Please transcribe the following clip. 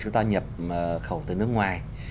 chúng ta nhập khẩu từ nước ngoài